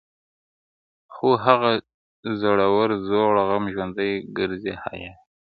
خو هغه زړور زوړ غم ژوندی گرځي حیات دی~